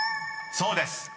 ［そうです］